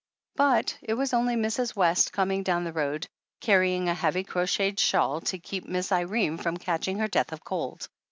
But it was only Mrs. West coming down the road, carrying a heavy crocheted shawl to keep Miss Irene from catching her death of cold!